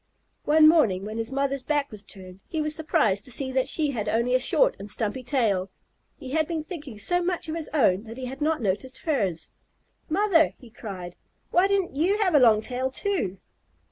One morning, when his mother's back was turned, he was surprised to see that she had only a short and stumpy tail. He had been thinking so much of his own that he had not noticed hers. "Mother," he cried, "why didn't you have a long tail too?"